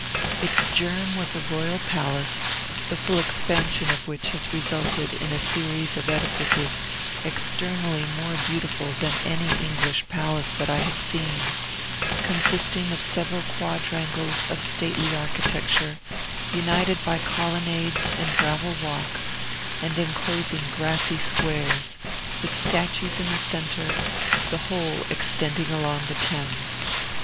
Its germ was a royal palace, the full expansion of which has resulted in a series of edifices externally more beautiful than any English palace that I have seen, consisting of several quadrangles of stately architecture, united by colonnades and gravel walks, and enclosing grassy squares, with statues in the centre, the whole extending along the Thames.